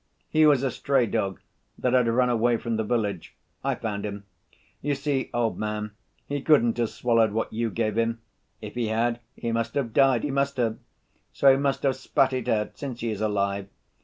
He was a stray dog that had run away from the village ... I found him.... You see, old man, he couldn't have swallowed what you gave him. If he had, he must have died, he must have! So he must have spat it out, since he is alive.